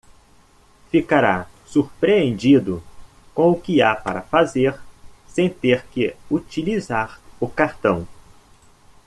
Ficará surpreendido com o que há para fazer sem ter que utilizar o cartão.